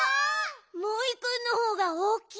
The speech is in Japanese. モイくんのほうがおおきい！